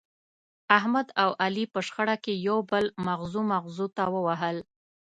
احمد او علي په شخړه کې یو بل مغزو مغزو ته ووهل.